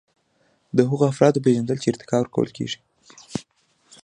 د هغو افرادو پیژندل چې ارتقا ورکول کیږي.